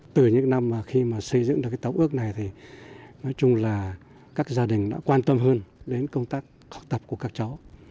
từ những năm khi xây dựng được tổng ước này các gia đình đã quan tâm hơn đến công tác học tập của họ